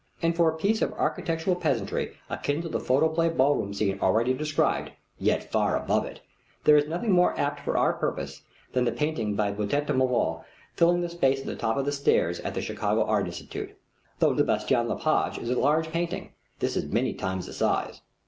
And for a piece of architectural pageantry akin to the photoplay ballroom scene already described, yet far above it, there is nothing more apt for our purpose than the painting by Boutet de Monvel filling the space at the top of the stair at the Chicago Art Institute. Though the Bastien Lepage is a large painting, this is many times the size.